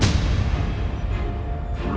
dasar potak tempurung